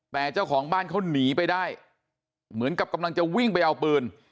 แต่เจ้าของบ้านเขาหนีไปได้เหมือนกับกำลังจะวิ่งไปเอาปืน